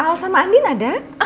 al sama andin ada